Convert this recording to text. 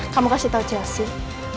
kamu kasih tau chelsea